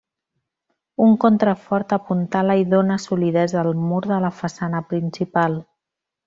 Un contrafort apuntala i dóna solidesa al mur de la façana principal.